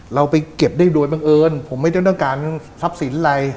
เราไปเก็บได้โดยบังเอิญผมไม่ต้องการทรัพย์สินอะไร